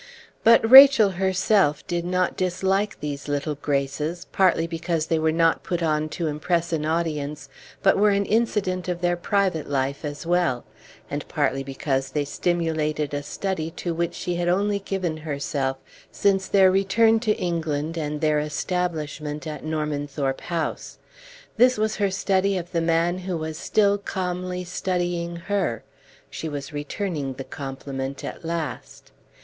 But Rachel herself did not dislike these little graces, partly because they were not put on to impress an audience, but were an incident of their private life as well; and partly because they stimulated a study to which she had only given herself since their return to England and their establishment at Normanthorpe House. This was her study of the man who was still calmly studying her; she was returning the compliment at last.